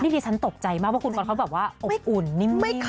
ดิฉันตกใจมากว่าคุณบอลเขาแบบว่าอบอุ่นนิ่ม